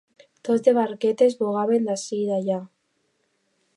Tot de barquetes vogaven d'ací d'allà.